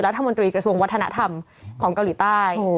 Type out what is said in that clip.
รัฐมนตรีกระทรวงวัฒนธรรมของเกาหลีใต้